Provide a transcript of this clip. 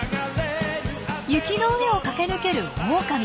雪の上を駆け抜けるオオカミ。